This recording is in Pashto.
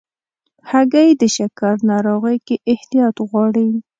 هګۍ د شکر ناروغۍ کې احتیاط غواړي.